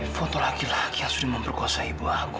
ini foto laki laki yang suri memperkosa ibu aku